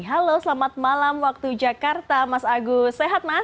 halo selamat malam waktu jakarta mas agus sehat mas